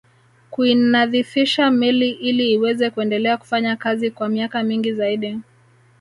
Kuinadhifisha meli ili iweze kuendelea kufanya kazi kwa miaka mingi zaidi